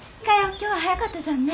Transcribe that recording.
今日は早かったじゃんね。